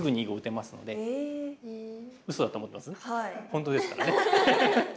本当ですからね。